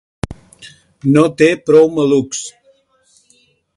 No té prou malucs.